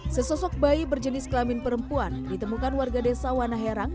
sesosok bayi berjenis kelamin perempuan ditemukan warga desa wanaherang